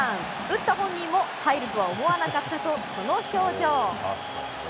打った本人も、入るとは思わなかったと、この表情。